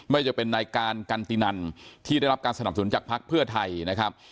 ไม่จะเป็นในการกันตินันที่ได้รับการสนับสนุนจากภักดิ์เพื่อไทยนะครับ